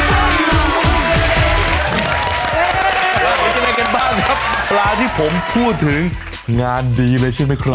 แล้วจะเล่นกันบ้างครับปลาที่ผมพูดถึงงานดีเลยใช่ไหมครับ